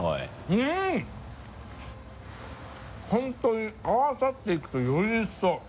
本当に合わさっていくとより一層。